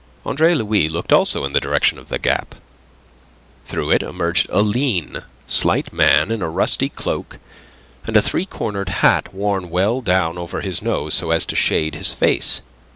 Andre Louis looked also in the direction of the gap. Through it emerged a lean, slight man in a rusty cloak and a three cornered hat worn well down over his nose so as to shade his face.